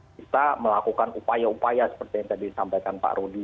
kita melakukan upaya upaya seperti yang tadi disampaikan pak rudy